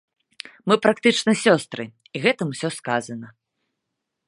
Мы практычна сёстры, і гэтым усё сказана.